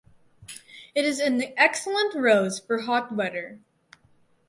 It is an excellent rose for hot weather.